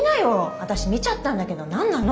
「私見ちゃったんだけど何なの？」